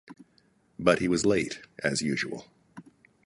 But he was late, as usual.